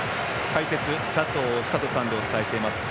解説、佐藤寿人さんでお伝えしています。